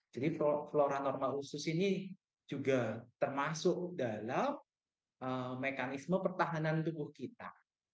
jadi flora normal usus ini juga termasuk dalam mekanisme pertahanan tubuh kita